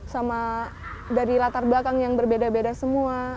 sama dari latar belakang yang berbeda beda semua